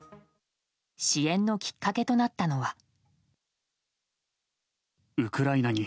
支援のきっかけとなったのは。